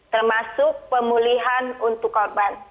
termasuk pemulihan untuk korban